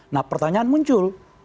nah pertanyaan muncul